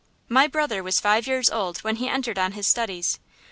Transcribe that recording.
My brother was five years old when he entered on his studies.